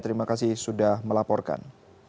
terima kasih sudah melaporkan